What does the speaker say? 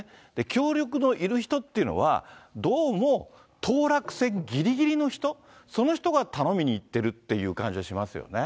協力のいる人っていうのは、どうも当落選ぎりぎりの人、その人が頼みにいってるっていう感じがしますよね。